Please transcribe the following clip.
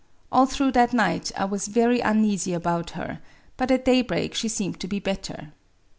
All through that night I was very uneasy about her, but at daybreak she seemed to be better.